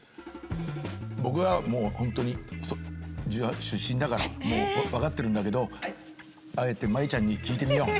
僕はもう本当に出身だからもう分かってるんだけどあえて麻衣ちゃんに聞いてみよう。